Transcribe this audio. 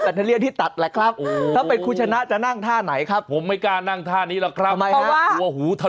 ใครถึงแบตเตอร์เลี่ยนจริงละครับใช่ครับ